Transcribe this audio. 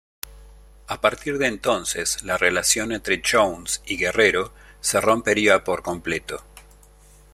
A partir de entonces la relación entre Jones y Guerrero se rompería por completo.